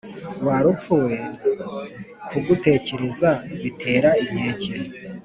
Wa rupfu we, kugutekereza bitera inkeke,